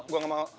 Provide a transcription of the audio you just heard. gue gak mau